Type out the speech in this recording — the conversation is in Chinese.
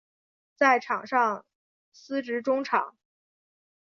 在场上司职中场。